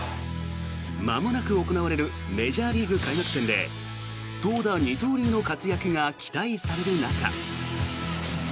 まもなく行われるメジャーリーグ開幕戦で投打二刀流の活躍が期待される中。